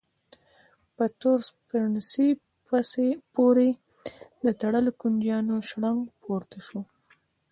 په تور سپڼسي پورې د تړلو کونجيانو شرنګا پورته شوه.